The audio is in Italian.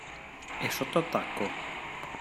È sotto attacco.